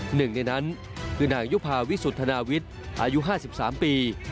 หนึ่งในนั้นคือนางยุภาวิสุทธนาวิทย์อายุ๕๓ปี